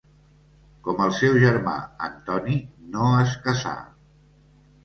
Com el seu germà Antoni, no es casà.